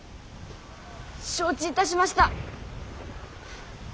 承知いたしました。